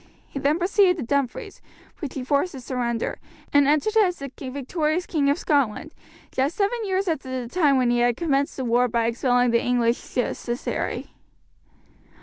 He then proceeded to Dumfries, which he forced to surrender, and entered it as the victorious King of Scotland, just seven years after the time when he had commenced the war by expelling the English justiciary.